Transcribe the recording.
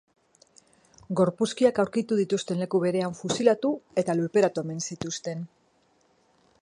Gorpuzkiak aurkitu dituzten leku berean fusilatu eta lurperatu omen zituzten.